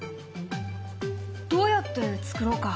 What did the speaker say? どうやって作ろうか？